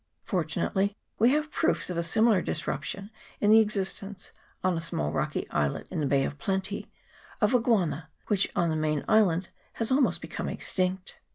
Fortunately we have proofs of a similar disruption in the exist ence, on a small rocky islet in the Bay of Plenty, of a guana, which on the main has almost become extinct.